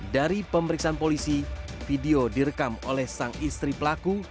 dari pemeriksaan polisi video direkam oleh sang istri pelaku